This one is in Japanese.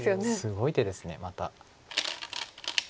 すごい手ですまた。